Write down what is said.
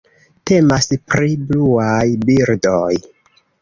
Temas pri bluaj birdoj.